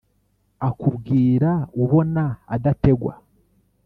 akubwira ubona adategwa